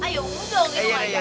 ayo mudah gitu ya